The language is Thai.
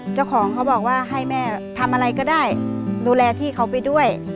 เจ้าของเขาบอกว่าให้แม่ทำอะไรก็ได้ดูแลพี่เขาไปด้วย